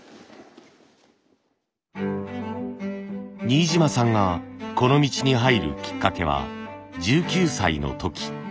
新島さんがこの道に入るきっかけは１９歳の時。